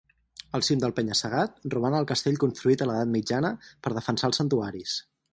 Al cim del penya-segat, roman el castell construït a l'edat mitjana per defensar els santuaris.